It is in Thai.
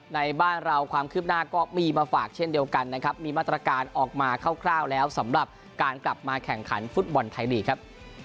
ในบ้านเราความคืบหน้าก็มีมาฝากเช่นเดียวกันนะครับมีมาตรการออกมาคร่าวแล้วสำหรับการกลับมาแข่งขันฟุตบอลไทยลีกครับ